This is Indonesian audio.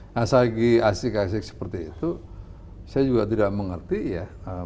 nah segi asik asik seperti itu saya juga tidak mengerti ya